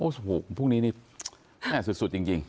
โอ้โฮใครบนนี้แน่สุดจริง